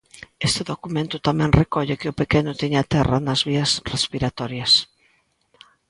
Este documento tamén recolle que o pequeno tiña terra nas vías respiratorias.